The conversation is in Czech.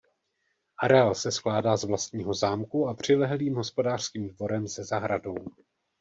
Areál se skládá z vlastního zámku a přilehlým hospodářským dvorem se zahradou.